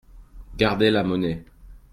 Gardez la monnaie.